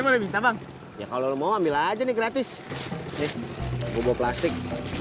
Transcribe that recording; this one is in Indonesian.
dimakan jangan dibuang